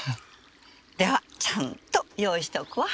ではちゃんと用意しておくわ。